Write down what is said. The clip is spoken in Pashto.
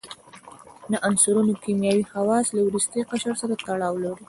د عنصرونو کیمیاوي خواص له وروستي قشر سره تړاو لري.